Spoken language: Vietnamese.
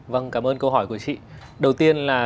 vâng cảm ơn câu hỏi của chị